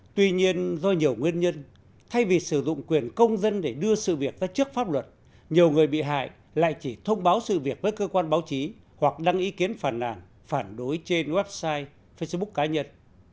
tuy nhiên do nhiều nguyên nhân thay vì sử dụng quyền công dân để đưa sự việc ra trước pháp luật nhiều người bị hại lại chỉ thông báo sự việc với cơ quan báo chí hoặc đăng ý kiến phản nàn phản đối trên website facebook cá nhân